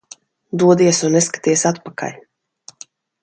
Dodies un neskaties atpakaļ.